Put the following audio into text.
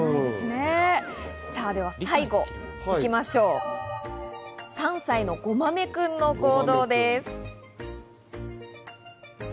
最後、３歳のごまめくんの行動です。